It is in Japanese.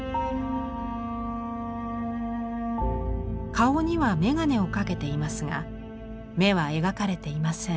顔には眼鏡をかけていますが眼は描かれていません。